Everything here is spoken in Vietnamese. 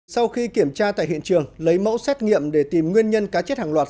sau khi kiểm tra tại hiện trường lấy mẫu xét nghiệm để tìm nguyên nhân cá chết hàng loạt